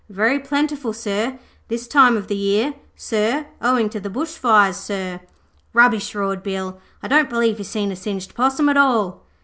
'Very plentiful, sir, this time of the year, sir, owing to the bush fires, sir.' 'Rubbish,' roared Bill. 'I don't believe he's seen a singed possum at all.'